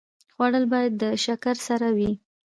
خوړل باید د شکر سره وي